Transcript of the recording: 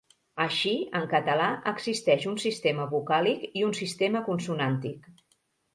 Així, en català existeix un sistema vocàlic i un sistema consonàntic.